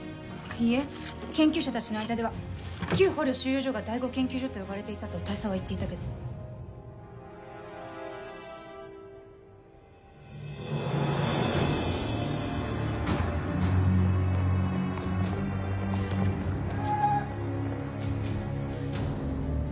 いいえ研究者達の間では旧捕虜収容所が第五研究所と呼ばれていたと大佐は言っていたけど・整列！